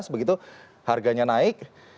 begitu harganya naik